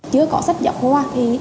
chưa có sách giáo khoa